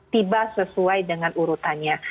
tiba sesuai dengan urutannya